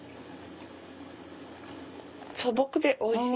素朴でおいしい。